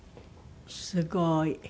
すごい！